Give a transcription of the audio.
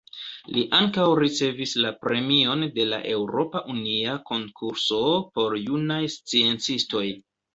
Li ankaŭ ricevis la premion de la Eŭropa Unia Konkurso por Junaj Sciencistoj.